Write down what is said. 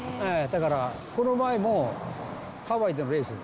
だからこの前もハワイでのレース。